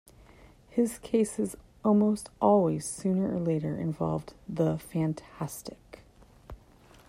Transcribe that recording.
His cases almost always, sooner or later, involved the fantastic.